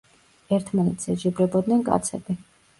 ერთმანეთს ეჯიბრებოდნენ კაცები.